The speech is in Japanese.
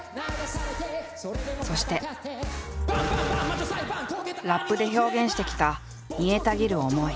そしてラップで表現してきた煮えたぎる思い。